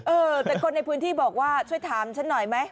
เออแต่คนในพื้นที่บอกว่าช่วยถามฉันหน่อยไหม